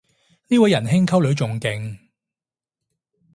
呢位人兄溝女仲勁